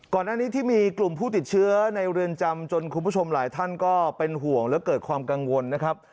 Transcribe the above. ก่อนหน้านี้ที่มีกลุ่มผู้ติดเชื้อในเรือนจำจนคุณผู้ชมหลายท่านก็เป็นห่วงและเกิดความกังวลนะครับ